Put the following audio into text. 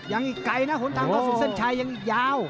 ยังอีกไกลนะหลวงทางข้อสุดเส้นชายยังอีกยาว